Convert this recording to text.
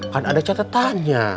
kan ada catetannya